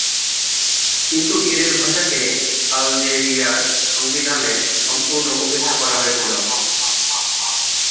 কিন্তু এদের ভাষাকে আলজেরিয়ার সংবিধানে সম্পূর্ণ উপেক্ষা করা হয়েছিল।